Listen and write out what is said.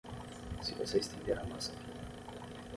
Se você estender a massa fina.